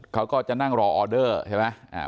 เขาก็จะนั่งรอออเดอร์ใช่ไหม